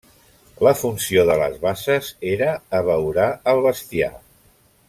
La funció de les basses era abeurar el bestiar.